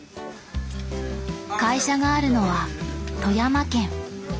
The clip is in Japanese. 会社があるのは富山県。